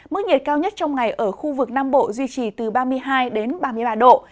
mức nhiệt cao nhất trong ngày ở khu vực nam bộ duy trì từ ba mươi hai ba mươi ba độ